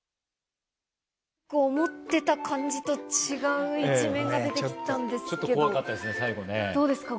思ってた感じと違う一面が出てきたんですけど、どうですか？